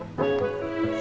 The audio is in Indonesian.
udah mau ke rumah